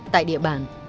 tại địa bàn